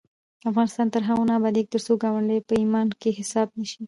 افغانستان تر هغو نه ابادیږي، ترڅو ګاونډیتوب په ایمان کې حساب نشي.